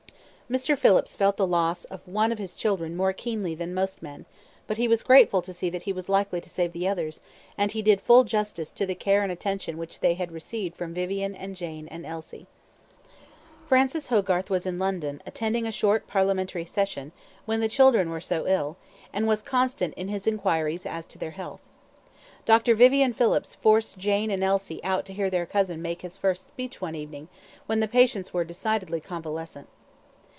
Mr. Phillips felt the loss of one of his children more keenly than most men, but he was grateful to see that he was likely to save the others, and he did full justice to the care and attention which they had received from Vivian and Jane and Elsie. Francis Hogarth was in London, attending a short parliamentary session, when the children were so ill, and was constant in his inquiries as to their health. Dr. Vivian Phillips forced Jane and Elsie out to hear their cousin make his first speech one evening, when the patients were decidedly convalescent.